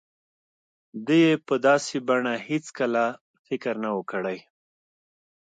ده يې په داسې بڼه هېڅکله فکر نه و کړی.